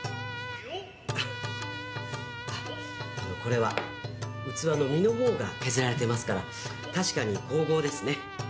これは器の身のほうが削られてますから確かに香合ですね